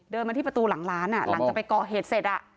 มาที่ประตูหลังร้านหลังจากไปก่อเหตุเสร็จ